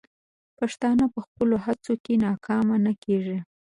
پښتانه په خپلو هڅو کې ناکام نه کیږي.